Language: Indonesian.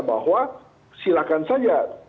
bahwa silakan saja